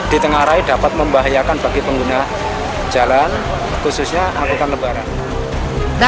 di tengah rai dapat membahayakan bagi pengguna jalan khususnya angkutan lebaran